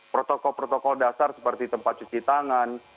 protokol protokol dasar seperti tempat cuci tangan